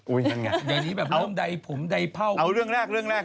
อุ้ยมันไงใดนี้แบบเอาผมใดเผ้าเอาเรื่องแรกเรื่องแรก